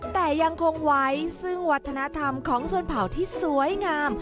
แต่ยังคงไว้ซึ่งวัฒนธรรมของชนเผ่าที่สวยงาม